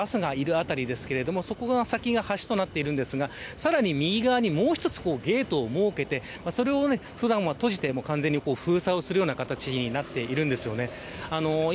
ちょうど今バスがいる辺りですがその先が橋となっているんですがさらに右側にゲートを設けてそれを普段は閉じて完全に封鎖をするような形になっているんです。